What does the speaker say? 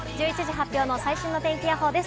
発表の最新の天気予報です。